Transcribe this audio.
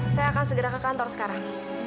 saya akan segera ke kantor sekarang